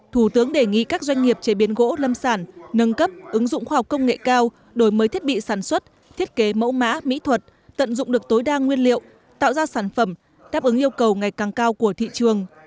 thủ tướng đề nghị các doanh nghiệp chế biến gỗ lâm sản nâng cấp ứng dụng khoa học công nghệ cao đổi mới thiết bị sản xuất thiết kế mẫu mã mỹ thuật tận dụng được tối đa nguyên liệu tạo ra sản phẩm đáp ứng yêu cầu ngày càng cao của thị trường